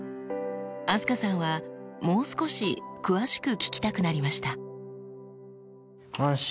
飛鳥さんはもう少し詳しく聞きたくなりました。